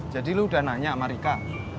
jadi lo udah nanya sama rika